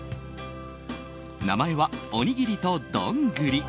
名前は、おにぎりとどんぐり。